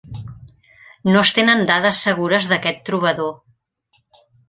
No es tenen dades segures d'aquest trobador.